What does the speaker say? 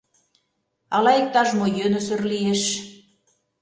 «Ала иктаж-мо йӧнысыр лиеш.